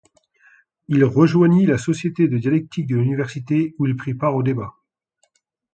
Il rejoignit la société de dialectique de l'université où il prit part aux débats.